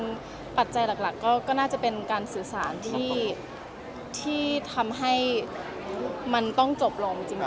มันปัจจัยหลักก็น่าจะเป็นการสื่อสารที่ทำให้มันต้องจบลงจริง